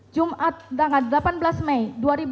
jumat delapan belas mei dua ribu dua puluh satu